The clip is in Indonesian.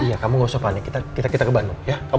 iya kamu nggak usah panik kita ke bandung ya